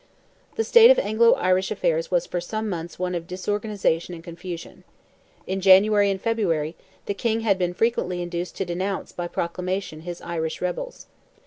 The state of Anglo Irish affairs was for some months one of disorganization and confusion. In January and February the King had been frequently induced to denounce by proclamation his "Irish rebels."